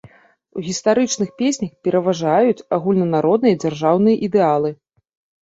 У гістарычных песнях пераважаюць агульнанародныя дзяржаўныя ідэалы.